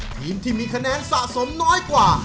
ทีมที่มีคะแนนสะสมน้อยกว่า